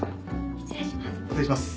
失礼します。